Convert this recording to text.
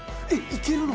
いけるの？